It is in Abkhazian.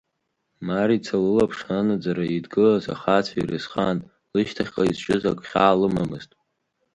Марица лылаԥш анаӡара еидгылаз ахацәа ирызхан, лышьҭахьҟа изҿыз агәхьаа лымамызт.